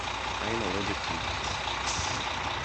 I am allergic to nuts.